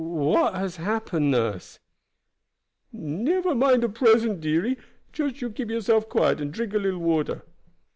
"What has happened, nurse?" "Never mind at present, dearie. Juss you keep yourself quiet, and drink a little water."